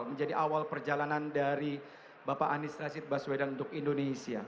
menjadi awal perjalanan dari bapak anies rashid baswedan untuk indonesia